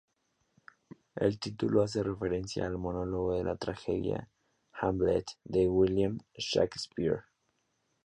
El título hace referencia al monólogo de la tragedia "Hamlet" de William Shakespeare.